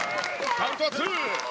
カウントは２。